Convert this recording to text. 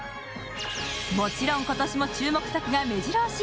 もちろん今年も注目作がめじろ押し。